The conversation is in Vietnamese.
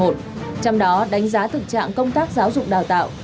trong đó đánh giá thực trạng công tác giáo dục đào tạo